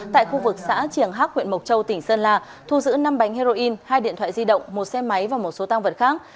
tại khu vực xã triển hác huyện mộc châu tỉnh sơn la thu giữ năm bánh heroin hai điện thoại di động một xe máy và một số tăng vật khác